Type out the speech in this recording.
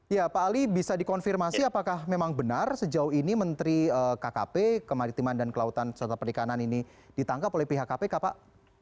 ya pak ali bisa dikonfirmasi apakah memang benar sejauh ini menteri kkp kemaritiman dan kelautan serta perikanan ini ditangkap oleh pihak kpk pak